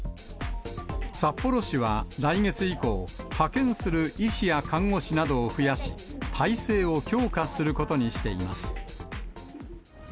札幌市は来月以降、派遣する医師や看護師などを増やし、体制を強化することにしています。